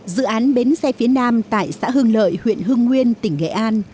dự án bến xe phía nam tại xã hương lợi huyện hương nguyên tỉnh nghệ an